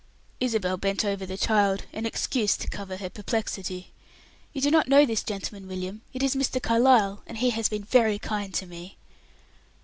Isabel bent over the child an excuse to cover her perplexity. "You do not know this gentleman, William. It is Mr. Carlyle, and he has been very kind to me."